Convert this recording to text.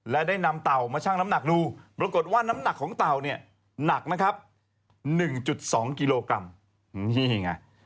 และได้นำเต่ามาชั่งน้ำหนักดูปรากฏว่าน้ำหนักของเต่าเนี่ยหนักนะครับ๑๒กิโลกรัมนี่ไง